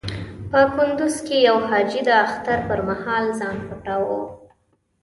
په کندز کې يو حاجي د اختر پر مهال ځان پټاوه.